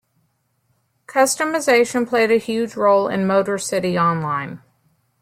Customization played a huge role in Motor City Online.